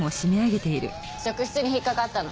職質に引っかかったの。